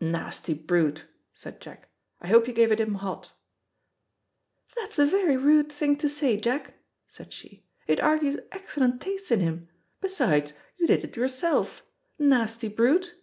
"Nasty brute," said Jack. "I hope you gave it him hot." "That's a very rude thing to say, Jack," said she. "It argues excellent taste in him. Besides, you did it yourself. Nasty brute!"